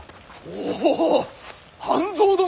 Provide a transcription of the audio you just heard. おおっ半蔵殿！